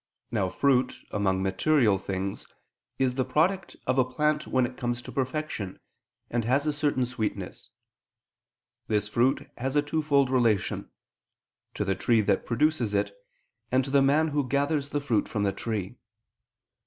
Now fruit, among material things, is the product of a plant when it comes to perfection, and has a certain sweetness. This fruit has a twofold relation: to the tree that produces it, and to the man who gathers the fruit from the tree.